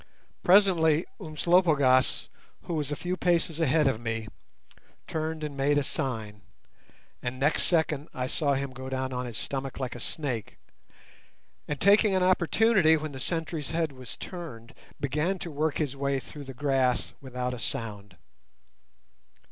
Presently Umslopogaas, who was a few paces ahead of me, turned and made a sign, and next second I saw him go down on his stomach like a snake, and, taking an opportunity when the sentry's head was turned, begin to work his way through the grass without a sound.